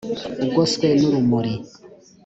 ugoswe n urumuri